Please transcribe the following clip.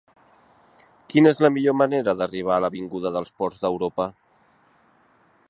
Quina és la millor manera d'arribar a l'avinguda dels Ports d'Europa?